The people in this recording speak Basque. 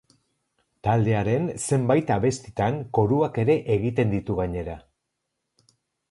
Taldearen zenbait abestitan koruak ere egiten ditu gainera.